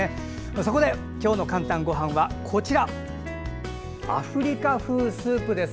そこで今日の「かんたんごはん」はアフリカ風スープです。